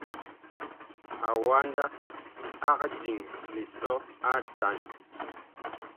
Awanda ag diŋ lisɔ atan.